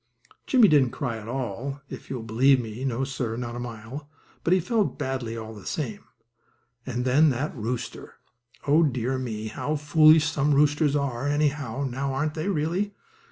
Jimmie didn't cry at all, if you'll believe me, no, sir, not a mite, but he felt badly all the same. And then that rooster! Oh, dear me, how foolish some roosters are, anyhow, now aren't they, really?